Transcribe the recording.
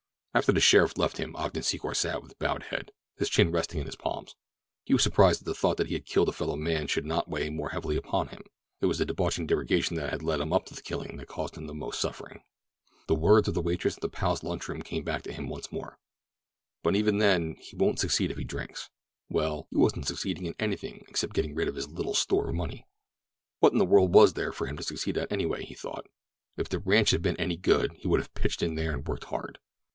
After the sheriff left him Ogden Secor sat with bowed head, his chin resting in his palms. He was surprised that the thought that he had killed a fellow man should not weigh more heavily upon him. It was the debauching degradation that had led up to the killing that caused him the most suffering. The words of the waitress at the Palace Lunch Room came back to him once more: "—but even then he won't succeed if he drinks." Well, he wasn't succeeding in anything except getting rid of his little store of money. What in the world was there for him to succeed at, anyway? he thought. If the ranch had been any good he would have pitched in there and worked hard.